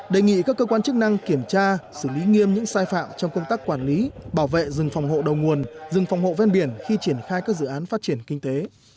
đề nghị các cơ quan chức năng kiểm tra xử lý nghiêm những sai phạm trong công tác quản lý bảo vệ rừng phòng hộ đầu nguồn rừng phòng hộ ven biển khi triển khai các dự án phát triển kinh tế